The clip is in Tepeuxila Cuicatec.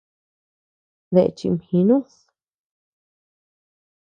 ¿Dae chimjinud?